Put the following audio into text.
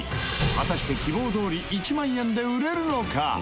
果たして希望どおり１万円で売れるのか？